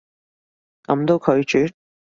噉都拒絕？